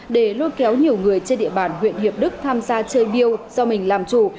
để lôi kéo nhiều người trên địa bàn huyện hiệp đức tham gia chơi biêu do mình làm chủ